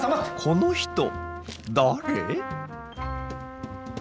この人誰？